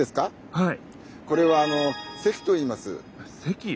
はい。